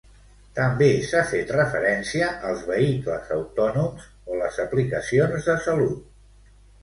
També s'ha fet referència als vehicles autònoms o les aplicacions de salut.